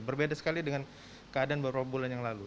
berbeda sekali dengan keadaan beberapa bulan yang lalu